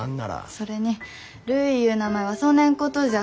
それに「るい」いう名前はそねんことじゃ。